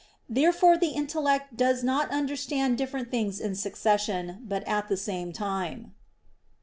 Therefore the intellect does not understand different things in succession, but at the same time.